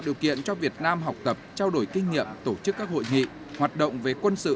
điều kiện cho việt nam học tập trao đổi kinh nghiệm tổ chức các hội nghị hoạt động về quân sự